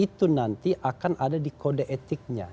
itu nanti akan ada di kode etiknya